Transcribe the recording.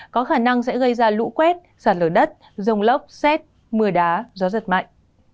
có khả năng sẽ gây ra lũ quét sạt lở đất rông lốc xét mưa đá gió giật mạnh